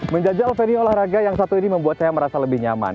menjajal venue olahraga yang satu ini membuat saya merasa lebih nyaman